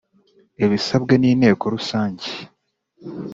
ibisabwe n Inteko Rusange